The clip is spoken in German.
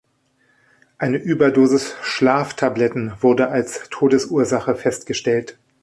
Eine Überdosis Schlaftabletten wurde als Todesursache festgestellt.